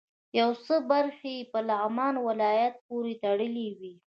یو څه برخې یې په لغمان ولایت پورې تړلې وې.